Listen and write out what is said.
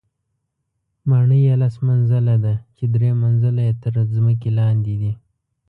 ماڼۍ یې لس منزله ده چې درې منزله یې تر ځمکې لاندې دي.